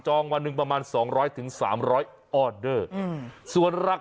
โอ้น่ารัก